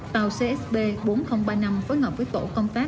tàu csb bốn nghìn ba mươi năm phối hợp với tổ công tác